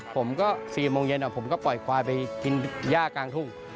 ผมก็๔โมงเย็นผมก็ปล่อยควายไปกินย่ากลางทุ่ง